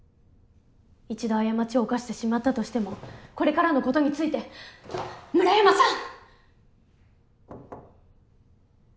一度過ちを犯してしまったとしてもこれからのことについて村山さん！